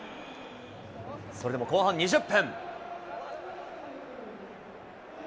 それでも後半２０分。